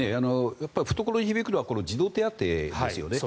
懐に響くのは児童手当ですよね。